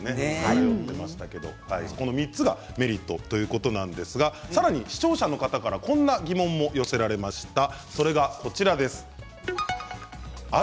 この３つがメリットということなんですがさらに視聴者の方からこんな疑問も寄せられました。